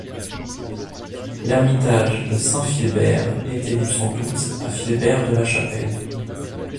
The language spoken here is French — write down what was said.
L'ermitage de Saint-Philbert était dû sans doute à Philbert de la Chapelle.